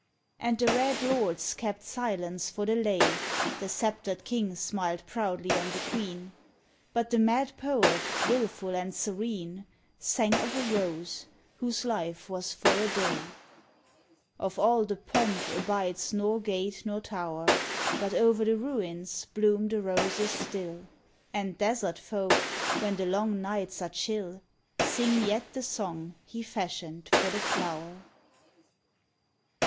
And the red lords kept silence for the lay; The sceptred king smiled proudly on the queen; But the mad poet, willful and serene, Sang of a rose whose life was for a day .... Of all the pomp abides nor gate nor tow r; But o er the ruins bloom the roses still, And desert folk, when the long nights are chill, Sing yet the song he fashioned for the flow r.